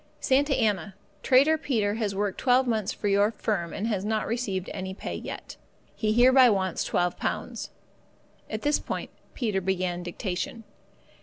"Santa Anna "Trader Peter has worked 12 months for your firm and has not received any pay yet. He hereby wants £12." (At this point Peter began dictation).